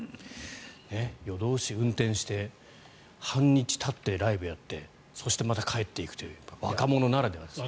夜通し運転して半日たってライブやってそして、また帰っていくという若者ならではですね。